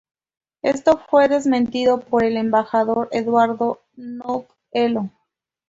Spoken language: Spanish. Esto fue desmentido por el embajador Eduardo Ndong Elo.